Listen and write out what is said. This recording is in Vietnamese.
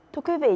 thưa quý vị